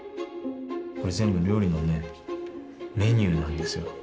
これ全部料理のねメニューなんですよ。